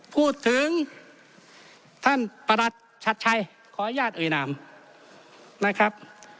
พูดถึงท่านประหลัดชัดชัยขออนุญาตเอ่ยนามนะครับ